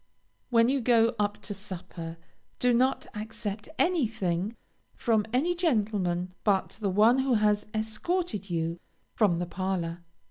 When you go up to supper, do not accept anything from any gentleman but the one who has escorted you from the parlor.